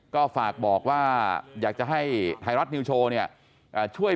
ก็ฝากบอกว่าอยากจะให้ไทยรัฐนิวโชว์เนี่ยช่วย